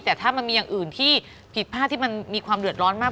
แต่ถ้ามันมีอย่างอื่นที่ผิดพลาดที่มันมีความเดือดร้อนมาก